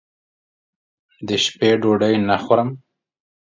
دشپې ډوډۍ نه خورم